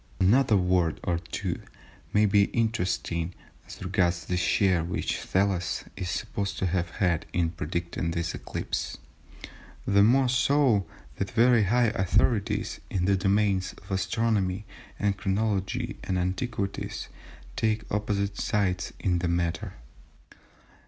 Another word or two may be interesting as regards the share which Thales is supposed to have had in predicting this eclipse, the more so, that very high authorities in the domains of astronomy, and chronology, and antiquities take opposite sides in the matter.